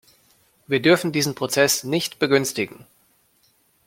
Wir dürfen diesen Prozess nicht begünstigen.